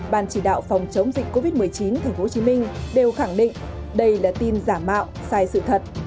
ban chỉ đạo phòng chống dịch covid một mươi chín tp hcm đều khẳng định đây là tin giả mạo sai sự thật